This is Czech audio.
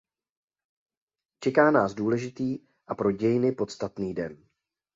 Čeká nás důležitý a pro dějiny podstatný den.